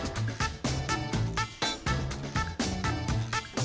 perjalanan yang baik itu yang saling melengkapi